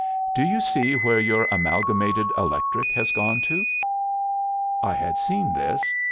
Do you see where your Amalgamated Electric has gone to?'" "I had seen this.